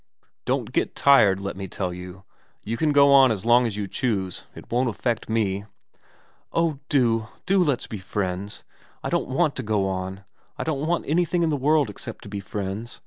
/ don't get tired, let me tell you. You can go on as long as you choose, it won't affect me.' ' Oh do, do let's be friends. I don't want to go on. I don't want anything in the world except to be friends.